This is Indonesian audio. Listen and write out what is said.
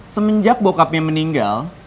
semenjak bokapnya meninggal